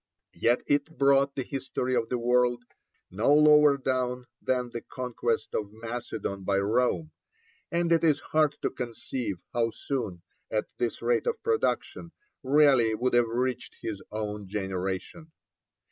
Yet it brought the history of the world no lower down than the conquest of Macedon by Rome, and it is hard to conceive how soon, at this rate of production, Raleigh would have reached his own generation.